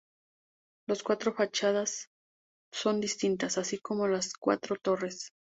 Las cuatro fachadas son distintas, así como las cuatro torres.